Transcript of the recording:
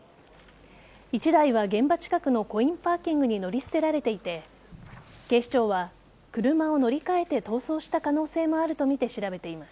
１台は現場近くのコインパーキングに乗り捨てられていて警視庁は車を乗り替えて逃走した可能性もあるとみて調べています。